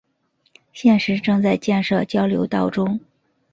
现时正在建设交流道中。